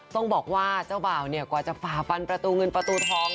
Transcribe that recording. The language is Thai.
ต้องบอกว่าเจ้าบ่าวเนี่ยกว่าจะฝ่าฟันประตูเงินประตูทอง